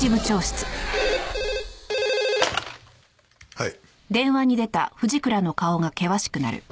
はい。